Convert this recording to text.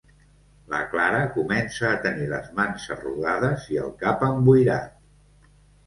La Clara comença a tenir les mans arrugades i el cap emboirat.